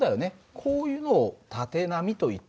こういうのを縦波といった訳だ。